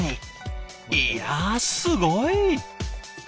いやすごい！